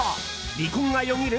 離婚がよぎる？